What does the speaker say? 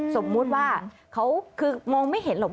สมมุติว่าเขาคือมองไม่เห็นหรอก